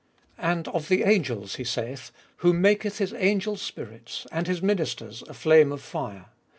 And of the angels he saith, Who maketh his angels spirits,. And his ministers a flame of fire : (Ps.